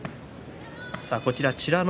美ノ